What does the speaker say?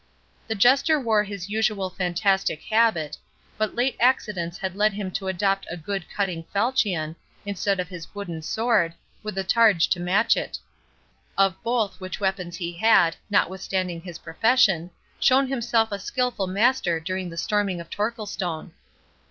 The Jester wore his usual fantastic habit, but late accidents had led him to adopt a good cutting falchion, instead of his wooden sword, with a targe to match it; of both which weapons he had, notwithstanding his profession, shown himself a skilful master during the storming of Torquilstone.